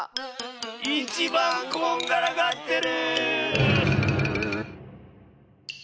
いちばんこんがらがってる！